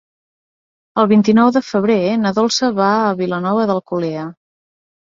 El vint-i-nou de febrer na Dolça va a Vilanova d'Alcolea.